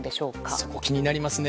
そこ、気になりますね。